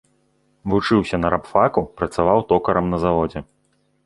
Вучыўся на рабфаку, працаваў токарам на заводзе.